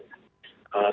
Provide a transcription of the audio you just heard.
sampai menurut anda